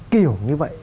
kiểu như vậy